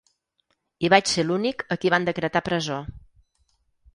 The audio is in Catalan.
I vaig ser l’únic a qui van decretar presó.